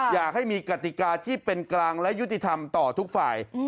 อยากให้มีกติกาที่เป็นกลางและยุติธรรมต่อทุกฝ่าย